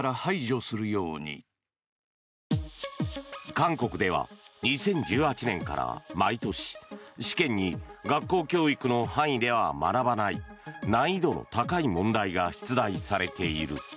韓国では２０１８年から毎年試験に学校教育の範囲では学ばない難易度の高い問題が出題されている。